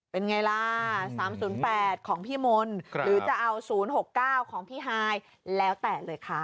เป็นไงล่ะ๓๐๘ของพี่มนต์หรือจะเอา๐๖๙ของพี่ฮายแล้วแต่เลยค่ะ